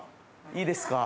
いいですか？